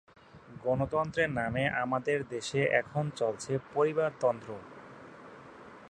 গণতন্ত্রের নামে আমাদের দেশে এখন চলছে পরিবারতন্ত্র।